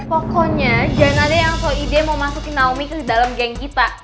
pokoknya jangan ada yang selalu ide mau masukin naomi ke dalam geng kita